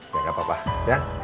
ya gak apa apa ya